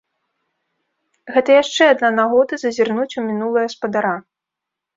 Гэта яшчэ адна нагода зазірнуць у мінулае спадара.